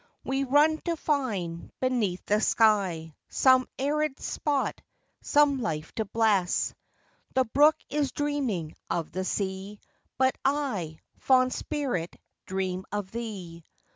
We run to find, beneath the sky, Some arid spot, some life to bless. The brook is dreaming of the sea ; But I, fond spirit, dream of thee.